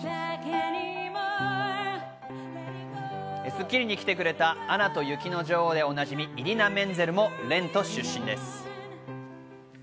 『スッキリ』に来てくれた『アナと雪の女王』でおなじみ、イディナ・メンゼルも『ＲＥＮＴ』出身です。